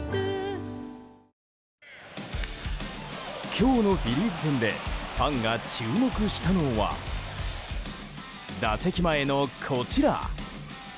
今日のフィリーズ戦でファンが注目したのは打席前のこちら。